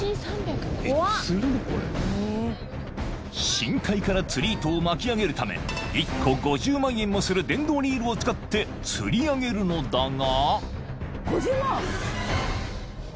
［深海から釣り糸を巻き上げるため１個５０万円もする電動リールを使って釣り上げるのだが］